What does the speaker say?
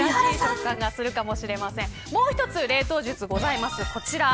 もう一つ、冷凍術ございます。